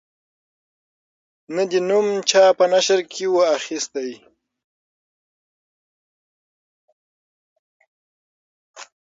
نه دي نوم چا په نشره کی وو اخیستی